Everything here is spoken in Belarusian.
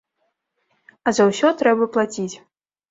А за ўсё трэба плаціць.